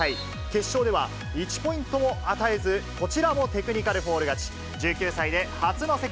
決勝では１ポイントも与えず、こちらもテクニカルフォール勝ち。